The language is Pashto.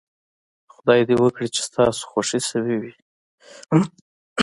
خدای دې وکړي چې ستاسو خوښې شوې وي.